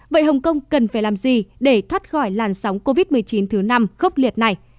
vậy hồng kông cần phải làm gì để thoát khỏi làn sóng covid một mươi chín thứ năm khốc liệt này